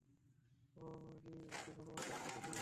শুনো জ্বি, একটি ভালো প্রস্তাব আছে বিয়ের।